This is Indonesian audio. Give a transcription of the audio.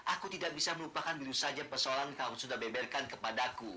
aku tidak bisa melupakan dulu saja persoalan kamu sudah beberkan kepadaku